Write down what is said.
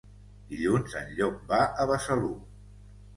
Dilluns en Llop va a Besalú.